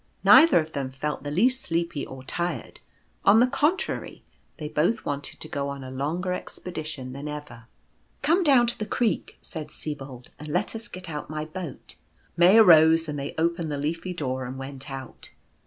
Neither of them felt the least sleepy or tired; on the con The Boat. " 169 trary they both wanted to go on a longer expedition than ever. " Come down to the creek/' said Sibold, " and let us get out my boat." May arose, and they opened the leafy door and went out.